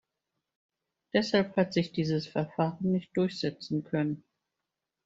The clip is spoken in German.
Deshalb hat sich dieses Verfahren nicht durchsetzen können.